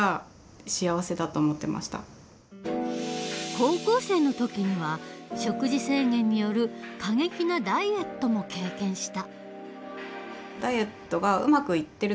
高校生の時には食事制限による過激なダイエットも経験した。